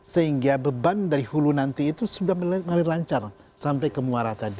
sehingga beban dari hulu nanti itu sudah mulai lancar sampai ke muara tadi